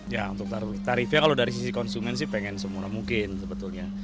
ya untuk tarifnya kalau dari sisi konsumen sih pengen semurah mungkin sebetulnya